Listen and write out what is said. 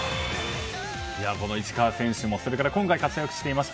この石川選手も今大会活躍していました